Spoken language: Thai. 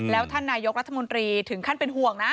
แล้วท่านนายกรัฐมนตรีถึงขั้นเป็นห่วงนะ